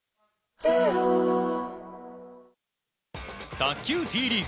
卓球Ｔリーグ